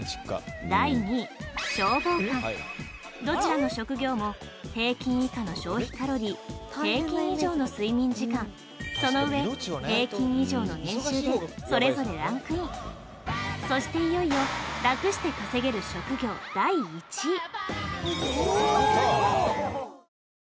どちらの職業も平均以下の消費カロリー平均以上の睡眠時間そのうえ平均以上の年収でそれぞれランクインそしていよいよラクして稼げる職業第１位